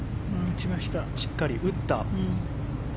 しっかり打った。